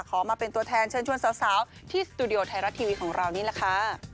มาเป็นตัวแทนเชิญชวนสาวที่สตูดิโอไทยรัฐทีวีของเรานี่แหละค่ะ